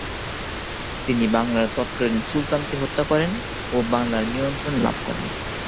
তিনি বাংলার তৎকালীন সুলতানকে হত্যা করেন ও বাংলার নিয়ন্ত্রণ লাভ করেন।